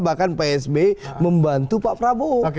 bahkan psb membantu pak prabowo